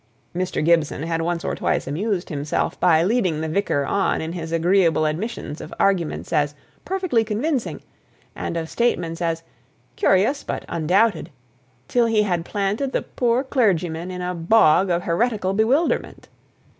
Mr. Gibson had once or twice amused himself, by leading the vicar on in his agreeable admissions of arguments "as perfectly convincing," and of statements as "curious but undoubted," till he had planted the poor clergyman in a bog of heretical bewilderment.